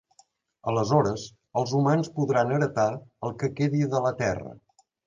Aleshores els humans podran heretar el que quedi de la terra.